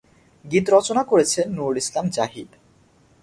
গীত রচনা করেছেন নুরুল ইসলাম জাহিদ।